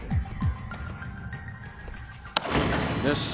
よし。